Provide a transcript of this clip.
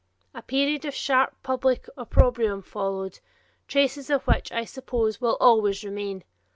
A period of sharp public opprobrium followed, traces of which, I suppose, will always remain.